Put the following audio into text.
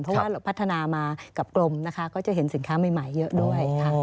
เพราะว่าเราพัฒนามากับกรมนะคะก็จะเห็นสินค้าใหม่เยอะด้วยค่ะ